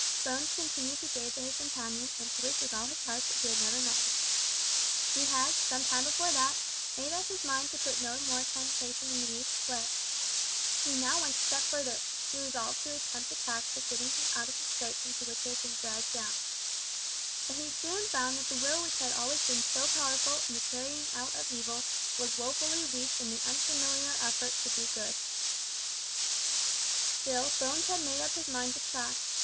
Bones continued to gaze at his companion, and to wish with all his heart that he had never met him. He had, some time before that, made up his mind to put no more temptation in the youth's way. He now went a step further he resolved to attempt the task of getting him out of the scrapes into which he had dragged him. But he soon found that the will which had always been so powerful in the carrying out of evil was woefully weak in the unfamiliar effort to do good! Still, Bones had made up his mind to try.